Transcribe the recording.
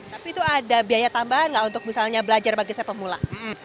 tapi itu ada biaya tambahan gak untuk misalnya belajar bagi saya pemula